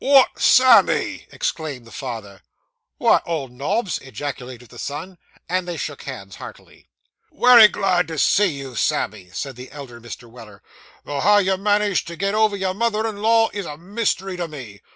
'What, Sammy!' exclaimed the father. 'What, old Nobs!' ejaculated the son. And they shook hands heartily. 'Wery glad to see you, Sammy,' said the elder Mr. Weller, 'though how you've managed to get over your mother in law, is a mystery to me.